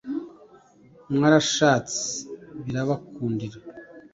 mwarashatse birabakundira,